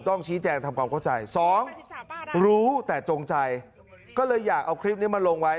ต้องชี้แจงทำความเข้าใจสองรู้แต่จงใจก็เลยอยากเอาคลิปนี้มาลงไว้